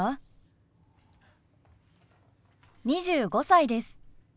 ２５歳です。